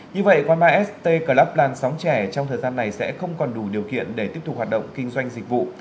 như vậy quán ba st club đàn sóng trẻ trong thời gian này sẽ không còn đủ điều kiện để tiếp tục hoạt động kinh doanh dịch vụ